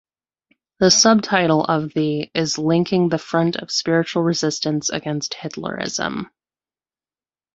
The subtitle of the is Linking the Front of spiritual resistance against Hitlerism.